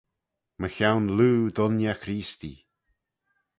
Mychione loo dooinney Creestee.